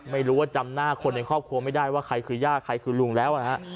ไม่รู้ว่าจำหน้าคนในครอบครัวไม่ได้ว่าใครคือย่าใครคือลุงแล้วนะฮะ